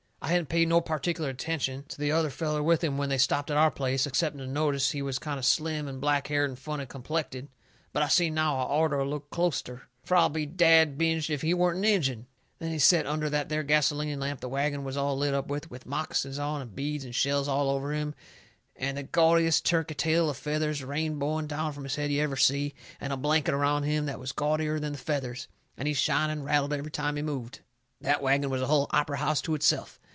I hadn't paid no pertic'ler attention to the other feller with him when they stopped at our place, excepting to notice he was kind of slim and blackhaired and funny complected. But I seen now I orter of looked closeter. Fur I'll be dad binged if he weren't an Injun! There he set, under that there gasoline lamp the wagon was all lit up with, with moccasins on, and beads and shells all over him, and the gaudiest turkey tail of feathers rainbowing down from his head you ever see, and a blanket around him that was gaudier than the feathers. And he shined and rattled every time he moved. That wagon was a hull opry house to itself.